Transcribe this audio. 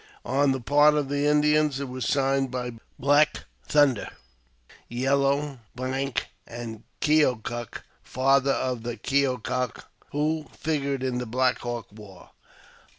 On the part of the Indians, it was signed by Black Thunder, Yellow, Bank, and Keokuk (father to the Keokuk who figured in the Black Hawk war).